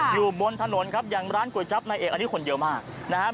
อยู่บนถนนครับอย่างร้านก๋วยจับนายเอกอันนี้คนเยอะมากนะครับ